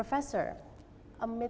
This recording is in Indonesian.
apakah kita bisa memperbaiki